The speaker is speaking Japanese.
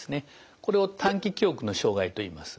これを短期記憶の障害といいます。